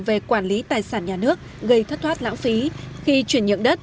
về quản lý tài sản nhà nước gây thất thoát lãng phí khi chuyển nhượng đất